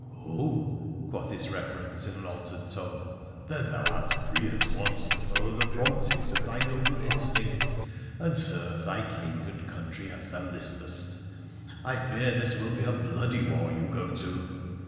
' Oh !' quoth his Reverence, in an altered tone. ' Then thou art free at once to follow the promptings of thy noble PHRA THE PH&ttlCIAtf I13 Instinct, and serve thy King and country as thou listest. I fear this will be a bloody war you go to.'